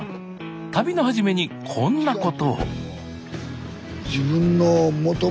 旅のはじめにこんなことをへえ！